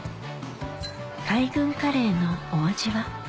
海軍カレーのお味は？